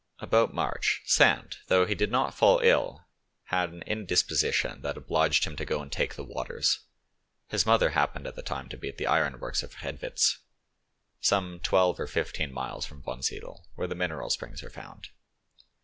About March, Sand, though he did not fall ill, had an indisposition that obliged him to go and take the waters; his mother happened at the time to be at the ironworks of Redwitz, same twelve or fifteen miles from Wonsiedel, where the mineral springs are found.